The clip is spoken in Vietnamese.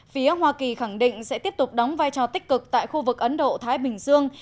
phía hoa kỳ khẳng định sẽ tiếp tục đóng vai trò tích cực tại khu vực ấn độ thái bình dương